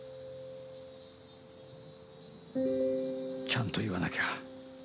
ちゃんと言わなきゃ。